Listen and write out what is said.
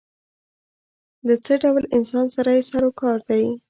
له څه ډول انسان سره یې سر و کار دی.